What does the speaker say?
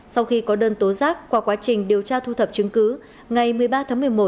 sau khi có đơn tố giác qua quá trình điều tra thu thập chứng cứ ngày một mươi ba tháng một mươi một